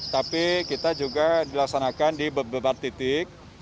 tapi kita juga dilaksanakan di beberapa titik